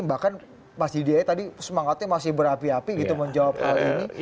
bahkan mas didi tadi semangatnya masih berapi api gitu menjawab hal ini